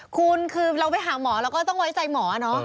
คุณคือเราไปหาหมอเราก็ต้องไว้ใจหมอเนอะ